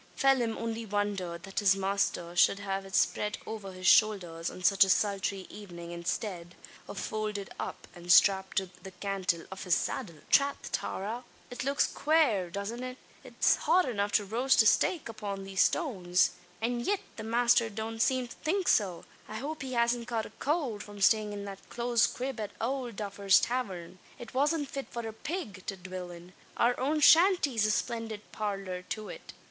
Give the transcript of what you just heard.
Phelim only wondered, that his master should have it spread over his shoulders on such a sultry evening instead of folded up, and strapped to the cantle of his saddle! "Trath, Tara! it looks quare, doesn't it? It's hot enough to roast a stake upon these stones; an yit the masther don't seem to think so. I hope he hasn't caught a cowld from stayin' in that close crib at owld Duffer's tavern. It wasn't fit for a pig to dwill in. Our own shanty's a splindid parlour to it."